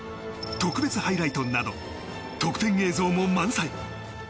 特別ハイライトなど特典映像も満載。